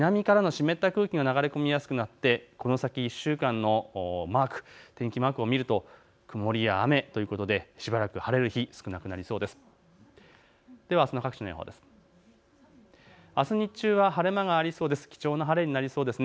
関東は南からの湿った空気が流れ込みやすくなってこの先１週間のマーク、天気のマークを見ると曇りや雨ということでしばらく晴れる日が少なくなりそうです。